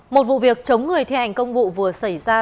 một vụ việc chống người thi hành công vụ vừa xảy ra tại thanh hóa